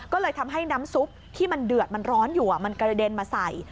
ก็เลยทำให้น้ำซุปที่มันเดือดมันร้อนอยู่มันกระเด็นมาใส่